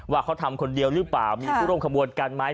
ว่าเขาทำคนเดียวหรือเปล่ามีผู้ร่วมขบวนการไหม